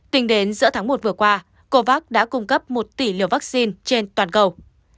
tính đến giữa tháng một vừa qua covax đã cung cấp một tỷ liều vaccine trên toàn cầu